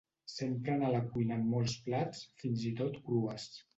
S'empren a la cuina en molts plats, fins i tot crues.